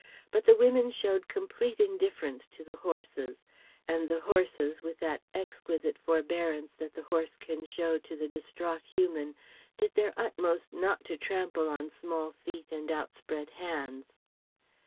But the women showed complete indifference to the horses; and the horses with that exquisite forbearance that the horse can show to the distraught human, did their utmost not to trample on small feet and outspread hands.